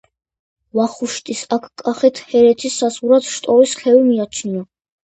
ვახუშტის აქ კახეთ-ჰერეთის საზღვრად შტორის ხევი მიაჩნია.